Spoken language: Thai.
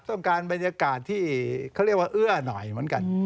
ต้องการบรรยากาศที่เขาเรียกว่า